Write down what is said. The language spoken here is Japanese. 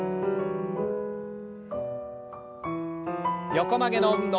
横曲げの運動。